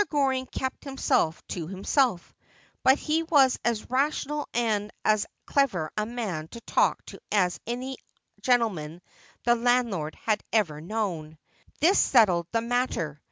Goring kept himself to himself ; but he was as rational and as clever a man to talk to as any gentleman the landlord had ever known. ' This settled the matter.